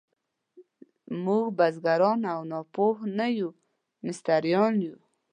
موږ بزګران او ناپوه نه یو، مستریان یو.